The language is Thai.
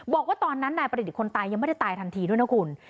บอกว่าตอนนั้นนายประดิษฐ์คนตายยังไม่ได้ตายทันทีด้วยนะคุณ